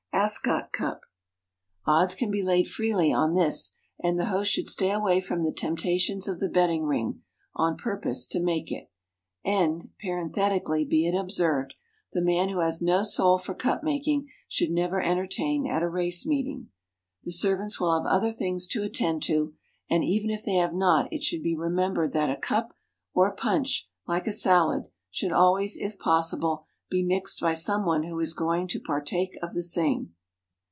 Ascot Cup. Odds can be laid freely on this; and the host should stay away from the temptations of the betting ring, on purpose to make it. And parenthetically be it observed the man who has no soul for cup making should never entertain at a race meeting. The servants will have other things to attend to; and even if they have not it should be remembered that a cup, or punch, like a salad, should always, if possible, be mixed by some one who is going to partake of the same.